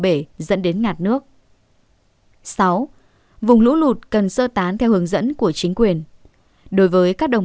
bể dẫn đến ngạt nước sáu vùng lũ lụt cần sơ tán theo hướng dẫn của chính quyền đối với các đồng